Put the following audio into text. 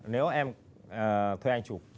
nếu em thuê anh chụp